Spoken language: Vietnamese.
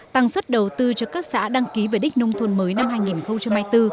tăng suất đầu tư cho các xã đăng ký về đích nông thôn mới năm hai nghìn hai mươi bốn